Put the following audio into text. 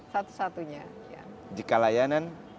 satu satunya jika layanan